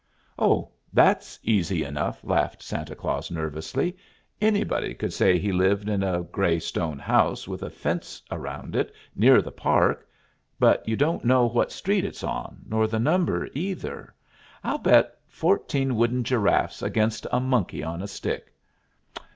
"Oh, that's easy enough!" laughed Santa Claus nervously. "Anybody could say he lived in a gray stone house with a fence around it, near the park; but you don't know what street it's on, nor the number, either. I'll bet fourteen wooden giraffes against a monkey on a stick!"